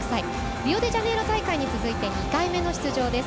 リオデジャネイロ大会に続いて２回目の出場です。